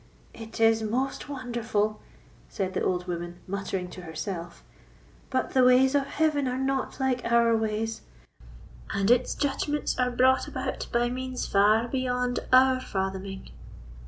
"It is most wonderful!" said the old woman, muttering to herself; "but the ways of Heaven are not like our ways, and its judgments are brought about by means far beyond our fathoming.